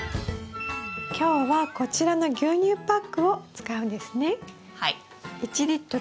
今日はこちらの牛乳パックを使うんですね？